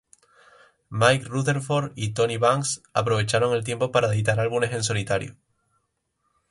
Mike Rutherford y Tony Banks aprovecharon el tiempo para editar álbumes en solitario.